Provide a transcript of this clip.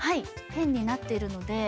ペンになっているので。